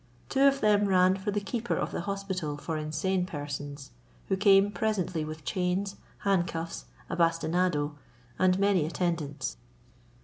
Two of them ran for the keeper of the hospital for insane persons, who came presently with chains, handcuffs, a bastinado, and many attendants.